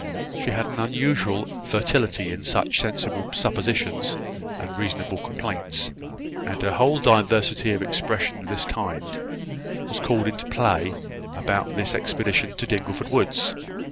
She had an unusual fertility in such sensible suppositions and reasonable complaints; and her whole diversity of expressions of this kind was called into play about this expedition to Dingleford woods.